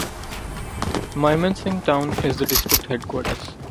Mymensingh town is the district headquarters.